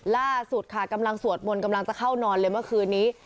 ล่าสุดค่ะกำลังสวดมนต์กำลังจะเข้านอนเลยเมื่อคืนนี้